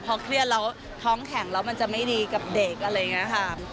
พอเครียดแล้วท้องแข็งแล้วมันจะไม่ดีกับเด็กอะไรอย่างนี้ค่ะ